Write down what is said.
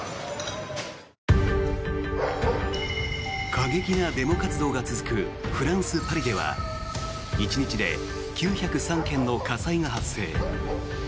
過激なデモ活動が続くフランス・パリでは１日で９０３件の火災が発生。